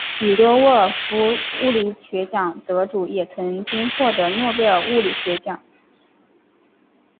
许多沃尔夫物理学奖得主也曾经获得诺贝尔物理学奖。